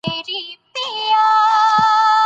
تعلیم نجونو ته د ویټامینونو ارزښت ور زده کوي.